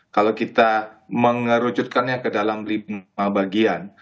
kalau kita mengerucutkannya ke dalam lima bagian